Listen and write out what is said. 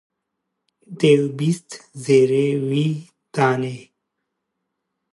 Dêw bîst zêrê wî danê.